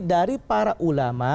dari para ulama